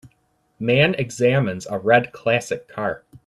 Man examines a red classic car.